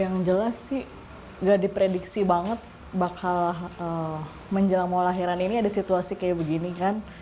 yang jelas sih gak diprediksi banget bakal menjelang mau lahiran ini ada situasi kayak begini kan